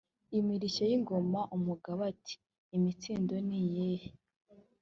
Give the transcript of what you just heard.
imirishyo yingoma umugaba ati"imitsindo niyihe?